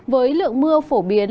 với lượng mưa phổ biến